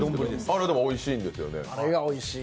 あれ、でもおいしいんですよね。